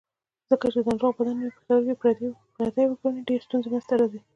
ځکه که د ناروغ بدن نوی پښتورګی پردی وګڼي ډېرې ستونزې منځ ته راوړي.